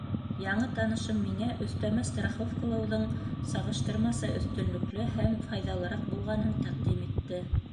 Яңы танышым миңә өҫтәмә страховкалауҙың сағыштырмаса өҫтөнлөклө һәм файҙалыраҡ булғанын тәҡдим итте.